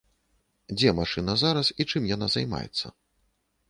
Дзе машына зараз і чым яна займаецца?